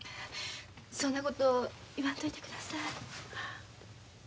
そんなこと言わんといてください。